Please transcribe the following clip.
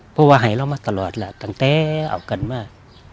เพราะว่าให้เรามาตลอดแหละตั้งแต่เอากันมา